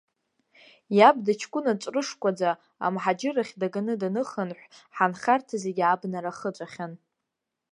Иаб дыҷкәына ҵәрышкәаӡа, амҳаџьыррахь даганы даныхынҳә, ҳанхарҭа зегьы абнара ахыҵәахьан.